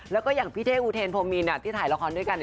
แล้วก็อย่างพี่เท่อุเทนพรมินที่ถ่ายละครด้วยกัน